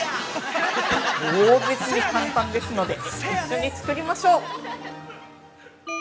◆超絶に簡単ですので、一緒に作りましょう。